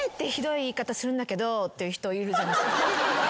っていう人いるじゃないですか。